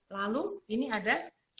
lalu ini ada